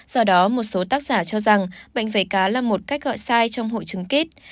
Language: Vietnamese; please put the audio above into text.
do đó một số tác giả cho rằng bệnh vẩy cá là một cách gọi sai trong hội chứng kít